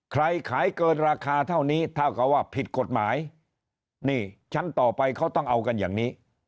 ขายเกินราคาเท่านี้เท่ากับว่าผิดกฎหมายนี่ชั้นต่อไปเขาต้องเอากันอย่างนี้